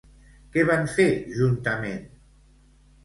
Què van fer juntament?